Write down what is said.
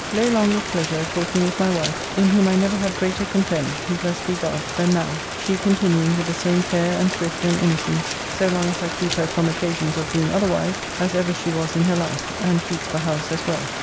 Lay long with pleasure talking with my wife, in whom I never had greater content, blessed be God! than now, she continuing with the same care and thrift and innocence, so long as I keep her from occasions of being otherwise, as ever she was in her life, and keeps the house as well.